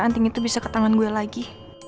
anting itu bisa ke tangan gue lagi